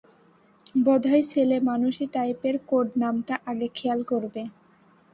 বোধহয় ছেলেমানুষী টাইপের কোড নামটা আগে খেয়াল করবে।